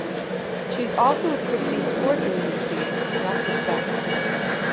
She is also with Christie's sports agency Nuff Respect.